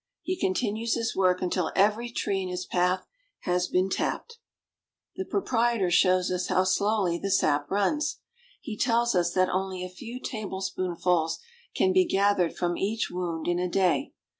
He continues his work until every tree in his path has been tapped. Collecting Rubber Sap. The proprietor shows us how slowly the sap runs. He tells us that only a few tablespoonfuls can be gathered from each wound in a day.